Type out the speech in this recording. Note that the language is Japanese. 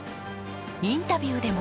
インタビューでも